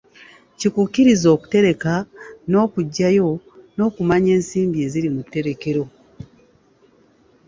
Kikukkirize okutereka n'okuggyayo n'okumanya ensimbi eziri mu tterekero.